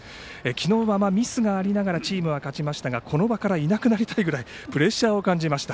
昨日はミスがありながら勝ちましたがこの場からいなくなりたいくらいプレッシャーを感じました。